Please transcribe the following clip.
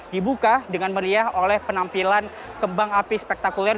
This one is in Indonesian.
dibuka dengan meriah oleh penampilan kembang api spektakuler